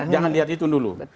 jangan lihat itu dulu